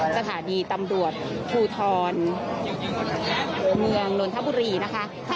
สถานีตำรวจภูทรเมืองนนทบุรีนะคะ